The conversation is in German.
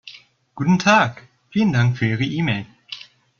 Guten Tag, vielen Dank für Ihre E-Mail.